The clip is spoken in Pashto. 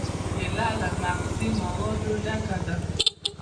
کېله له مغذي موادو ډکه ده.